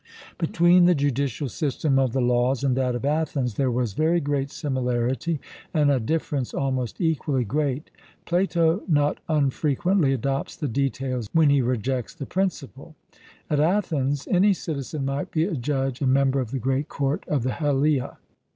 Between the judicial system of the Laws and that of Athens there was very great similarity, and a difference almost equally great. Plato not unfrequently adopts the details when he rejects the principle. At Athens any citizen might be a judge and member of the great court of the Heliaea.